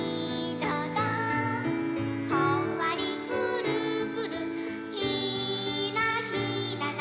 「ほんわりくるくるひーらひらら」